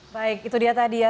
baik itu dia tadi ya